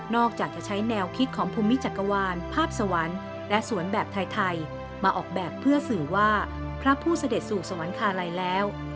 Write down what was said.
อกจากจะใช้แนวคิดของภูมิจักรวาลภาพสวรรค์และสวนแบบไทยมาออกแบบเพื่อสื่อว่าพระผู้เสด็จสู่สวรรคาลัยแล้ว